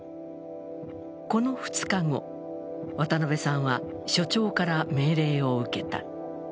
この２日後、渡辺さんは署長から命令を受けた。